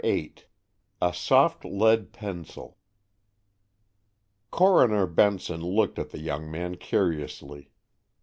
VIII A SOFT LEAD PENCIL Coroner Benson looked at the young man curiously.